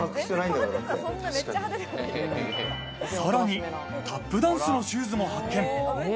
さらにタップダンスのシューズも発見。